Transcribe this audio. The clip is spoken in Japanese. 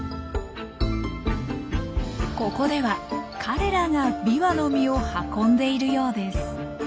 ここでは彼らがビワの実を運んでいるようです。